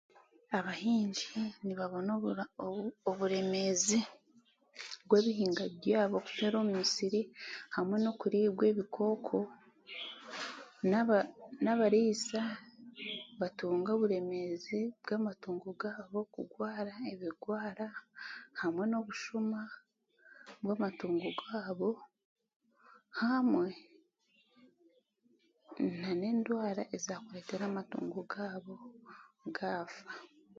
Abahingi nibabona obura obu obureemezi bw'ebihingwa byabo kufeera omu musirihamwe n'okuribwa ebikooko naba nabariisa batunga oburemeezi bwamatungo gaabo kugwara ebigwara hamwe n'obushuma bw'amatungo gaabo hamwe nan'endwara ezaakureetera amatungo gaabo gaafa.